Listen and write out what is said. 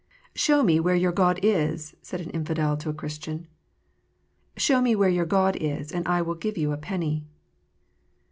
" Show me where your God is," said an infidel to a Christian. " Show me where your God is, and I will give you a penny."